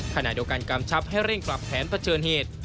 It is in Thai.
ขณะเดียวกันกำชับให้เร่งปรับแผนเผชิญเหตุ